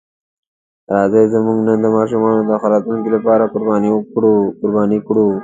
راځئ زموږ نن د ماشومانو د ښه راتلونکي لپاره قرباني کړو.